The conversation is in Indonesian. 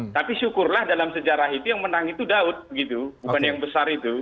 tapi syukurlah dalam sejarah itu yang menang itu daud gitu bukan yang besar itu